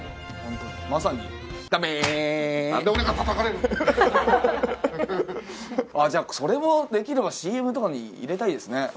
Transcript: ホントにまさにじゃあそれもできればＣＭとかに入れたいですね